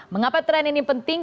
mengapa tren ini penting